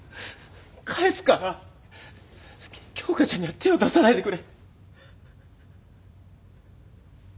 返すから京花ちゃんには手を出さないでくれ。